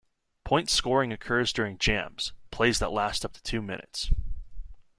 Point scoring occurs during "jams": plays that last up to two minutes.